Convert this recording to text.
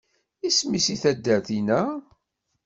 Isem-is i taddart-ihina?